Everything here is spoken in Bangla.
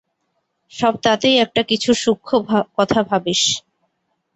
সব তাতেই একটা-কিছু সূক্ষ্ণ কথা ভাবিস।